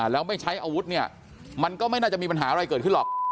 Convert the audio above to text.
แล้วไม่ใช้อาวุธเนี่ยมันก็ไม่น่าจะมีปัญหาอะไรเกิดขึ้นหรอก